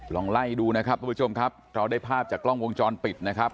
ลองไล่ดูนะครับทุกผู้ชมครับเราได้ภาพจากกล้องวงจรปิดนะครับ